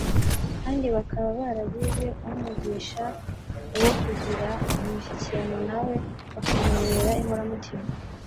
kandi bakaba baragize uunugisha wo kugirana umushyikirano na we bakamubera inkoramutima!